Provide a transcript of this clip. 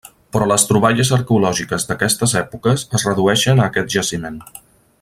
Però les troballes arqueològiques d'aquestes èpoques es redueixen a aquest jaciment.